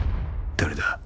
誰だ？